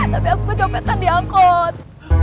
tapi aku kecopetan diangkut